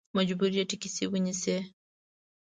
مجبور یې ټیکسي ونیسې.